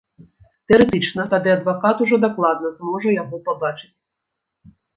Тэарэтычна, тады адвакат ужо дакладна зможа яго пабачыць.